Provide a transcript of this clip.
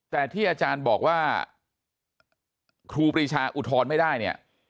แต่ที่อาจารย์บอกว่าครูปรีชาอุทธรณ์ไม่ได้เนี่ย